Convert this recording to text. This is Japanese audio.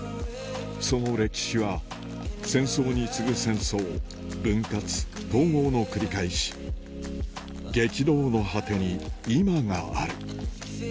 その歴史は戦争に次ぐ戦争分割統合の繰り返し激動の果てに今がある